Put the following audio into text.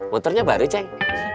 motornya baru ceng